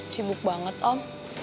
sibuk banget om